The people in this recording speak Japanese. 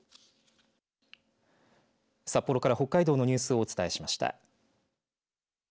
札幌から北海道のニュースをお伝えしました。